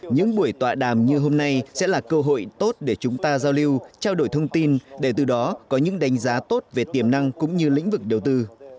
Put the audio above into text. những buổi tọa đàm như hôm nay sẽ là cơ hội tốt để chúng ta giao lưu trao đổi thông tin để từ đó có những đánh giá tốt về tiềm năng cũng như lĩnh vực đầu tư